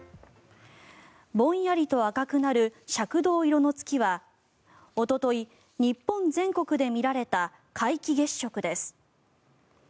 ぼんやりと赤くなる赤銅色の月はおととい、日本全国で見られた皆既月食です。